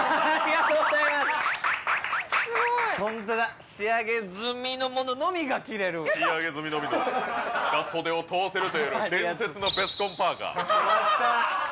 ホントだ仕上げ済の者のみが着れる仕上げ済のみのが袖を通せるという伝説のベスコンパーカー出ました！